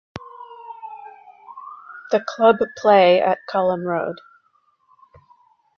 The club play at Culham Road.